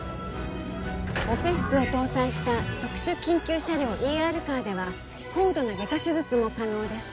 オペ室を搭載した特殊緊急車両ＥＲカーでは高度な外科手術も可能です